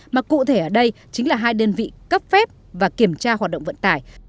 mà cụ thể ở đây chính là hai đơn vị cấp phép và kiểm tra hoạt động vận tải